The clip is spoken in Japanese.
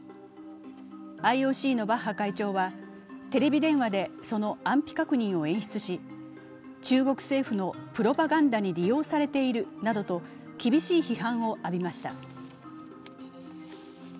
ＩＯＣのバッハ会長はテレビ電話でその安否確認を演出し中国政府のプロパガンダに利用されているなどと厳しい批判を浴びました。